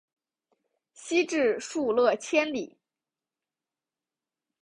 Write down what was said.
西至疏勒千里。